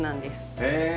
へえ。